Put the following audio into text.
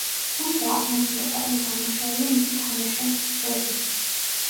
თუმცა, აღმოჩნდება, რომ დამნაშავეა მისი თანაშემწე, ბობი.